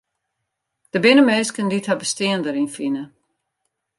Der binne minsken dy't har bestean deryn fine.